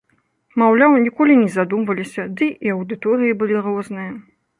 Маўляў, ніколі не задумваліся, ды і аўдыторыі былі розныя.